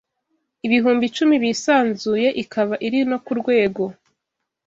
ibihumbi icumi bisanzuye ikaba iri no ku rwego